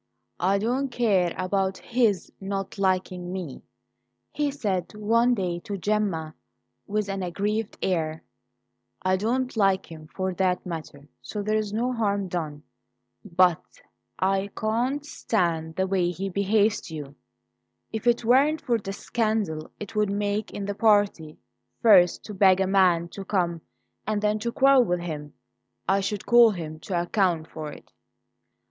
"I don't care about his not liking me," he said one day to Gemma with an aggrieved air. "I don't like him, for that matter; so there's no harm done. But I can't stand the way he behaves to you. If it weren't for the scandal it would make in the party first to beg a man to come and then to quarrel with him, I should call him to account for it."